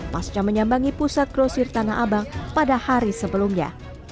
pasca menyambangi pusat grosir tanah abang pada hari sebelumnya